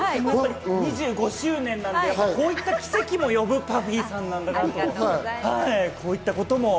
２５周年なので、こういった奇跡も呼ぶＰＵＦＦＹさんなんだなと。